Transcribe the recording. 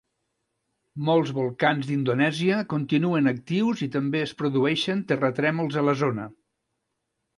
Molts volcans d'Indonèsia continuen actius i també es produeixen terratrèmols a la zona.